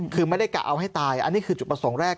คือไม่ได้กะเอาให้ตายอันนี้คือจุดประสงค์แรก